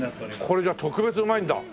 これじゃあ特別うまいんだ。